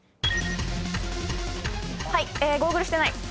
ゴーグルしてない。